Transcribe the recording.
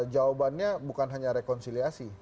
jawabannya bukan hanya rekonsiliasi